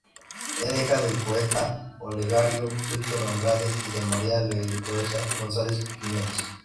Era hija del poeta Olegario Víctor Andrade y de María Eloisa González Quiñones.